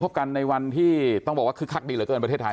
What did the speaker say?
กันในวันที่ต้องบอกว่าคึกคักดีเหลือเกินประเทศไทย